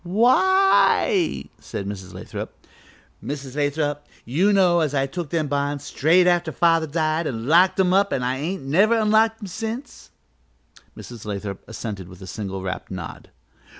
"Why " asked Mrs. Lathrop. "Mrs. Lathrop, you know as I took them bonds straight after father died an' locked 'em up an' I ain't never unlocked 'em since?" Mrs. Lathrop assented with a single rapt nod.